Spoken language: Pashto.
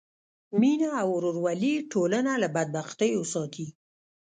مینه او ورورولي ټولنه له بدبختیو ساتي.